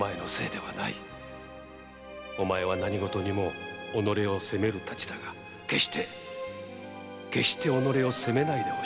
「お前は何事にも己を責めるたちだが決して決して己を責めないでほしい」